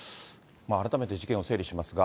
改めて事件を整理しますが。